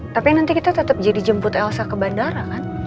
tapi nanti kita tetap jadi jemput elsa ke bandara kan